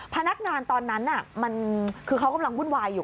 พนักงานตอนนั้นมันคือเขากำลังวุ่นวายอยู่